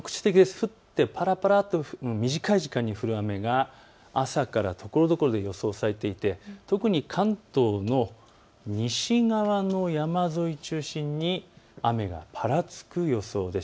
降ってもぱらぱらと短い時間に降る雨が朝からところどころで予想されていて特に関東の西側の山沿いを中心に雨がぱらつく予想です。